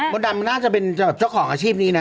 ดำน่าจะเป็นเจ้าของอาชีพนี้นะ